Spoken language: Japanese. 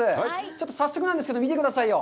ちょっと早速なんですけど、見てくださいよ。